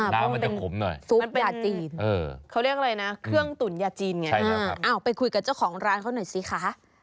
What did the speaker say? แล้วมันจะขมหน่อยมันเป็นเขาเรียกอะไรนะเครื่องตุ๋นยาจีนเหมือนกันคุณชนะค่ะอ้าวไปคุยกับเจ้าของร้านเขาหน่อยสิค่ะ